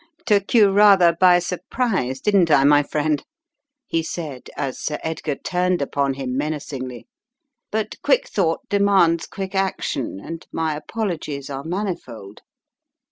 "Took you rather by surprise didn't I, my friend?" he said as Sir Edgar turned upon him men acingly. "But quick thought demands quick action, and my apologies are manifold.